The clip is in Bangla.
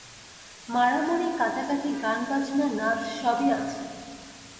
মারামুরি-কাটাকাটি, গান-বাজনা, নাচ-সবই আছে।